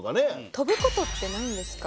飛ぶ事ってないんですか？